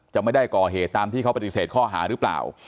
จะไม่ได้ก่อเหตุตามที่เขาปฏิเสธข้อหาหรือเปล่า